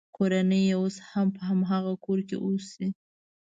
کورنۍ یې اوس هم په هماغه کور کې اوسي.